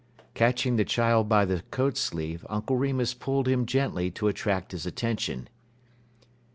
Catching the child by the coat sleeve, Uncle Remus pulled him gently to attract his attention.